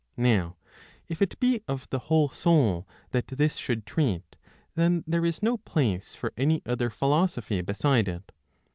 Now if it be of the whole soul that this should treat, then there is no place for any other philosophy beside it.